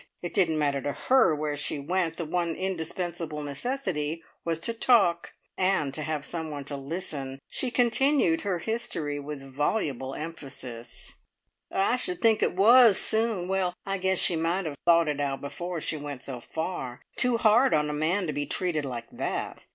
It didn't matter to her where she went, the one indispensable necessity was to talk, and to have someone to listen. She continued her history with voluble emphasis. "I should think it was soon! Well, I guess she might have thought it out before she went so far. Too hard on a man to be treated like that.